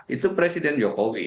itu presiden jokowi